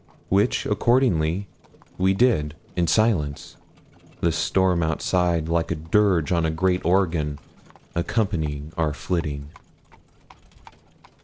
Which, accordingly, we did, in silence; the storm outside, like a dirge on a great organ, accompanying our flitting.